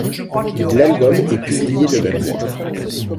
L'album est publié le même mois.